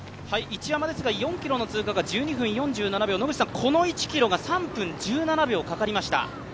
一山ですが４ｋｍの通過が１４分４７秒この１ｋｍが３分１７秒かかりました。